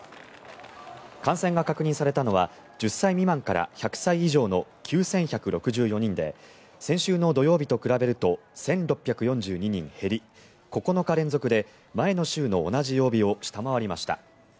感染が確認されたのは１０歳未満から１００歳以上の９１６４人で先週の土曜日と比べると１６４２人減り９日連続で前の週の同じ曜日を下回りました。